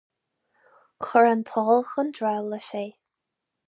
Chuir an t-ól chun drabhláis é.